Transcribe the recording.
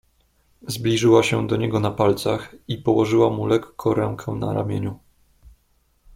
"Zbliżyła się do niego na palcach i położyła mu lekko rękę na ramieniu."